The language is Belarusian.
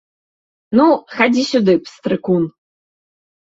Ну, хадзі сюды, пстрыкун.